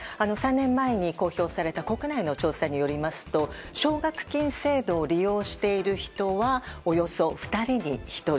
３年前に公表された国内の調査によりますと奨学金制度を利用している人はおよそ２人に１人。